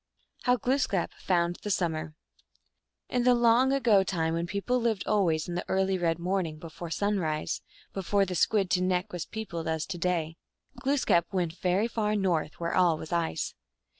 How Glooskap found the Summer. In the long ago time when people lived always in the early red morning, before sunrise, before the Squid to neck was peopled as to day, Glooskap went very far north, where all was ice.